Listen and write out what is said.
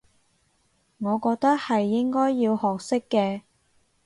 我覺得係應該要學識嘅